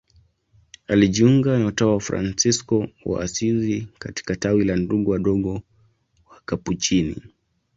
Alijiunga na utawa wa Fransisko wa Asizi katika tawi la Ndugu Wadogo Wakapuchini.